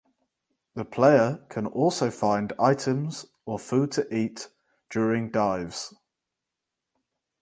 The player can also find items or food to eat during dives.